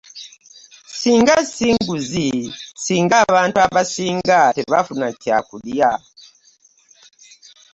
Singa singuzi singa abantu abasinga tebafuna kyakulya.